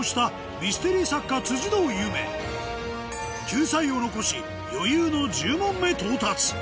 救済を残し余裕の１０問目到達